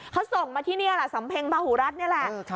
เขาส่งมาที่นี่แหละสำเพ็งบาหูรัฐนี่แหละ